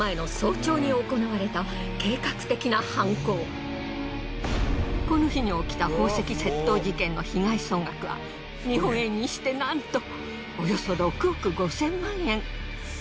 それは営業前のこの日に起きた宝石窃盗事件の被害総額は日本円にしてなんとおよそ６億５千万円。